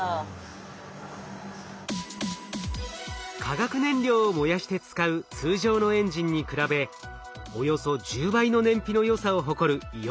化学燃料を燃やして使う通常のエンジンに比べおよそ１０倍の燃費のよさを誇るイオンエンジン。